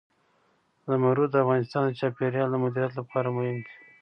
زمرد د افغانستان د چاپیریال د مدیریت لپاره مهم دي.